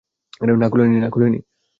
না, খুলেনি।